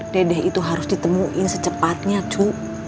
dede itu harus ditemuin secepatnya cu